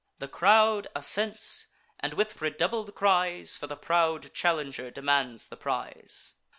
The crowd assents, and with redoubled cries For the proud challenger demands the prize.